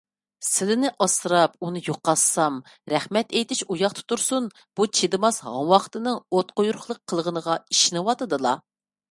سىلىنى ئاسراپ، ئۇنى يوقاتسام، رەھمەت ئېيتىش ئۇياقتا تۇرسۇن، بۇ چىدىماس ھاڭۋاقتىنىڭ ئوتقۇيرۇقلۇق قىلغىنىغا ئىشىنىۋاتىدىلا.